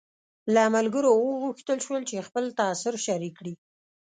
له ملګرو وغوښتل شول چې خپل تاثر شریک کړي.